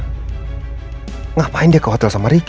bapak mengapa dia pergi hotel dengan ricky